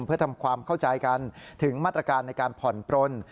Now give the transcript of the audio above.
เพื่อทำความเข้าใจกันถึงมาตรการในการผ่อนปลน